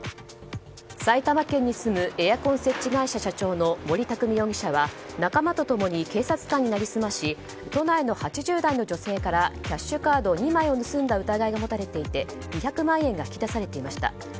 埼玉県に住むエアコン設置会社社長の森拓美容疑者は仲間と共に警察官に成り済まし都内の８０代の女性からキャッシュカード２枚を盗んだ疑いがもたれていて２００万円が引き出されていました。